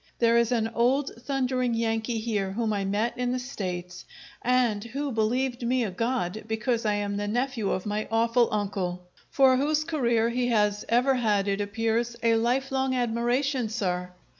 There is an old thundering Yankee here, whom I met in the States, and who believed me a god because I am the nephew of my awful uncle, for whose career he has ever had, it appears, a life long admiration, sir!